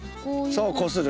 そうこする。